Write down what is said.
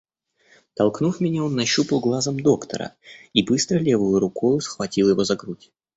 Толкнув меня, он нащупал глазом доктора и быстро левою рукою схватил его за грудь.